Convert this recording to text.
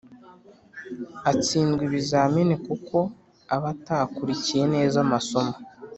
atsindwa ibizami kuko aba atakurikiye neza amasomo.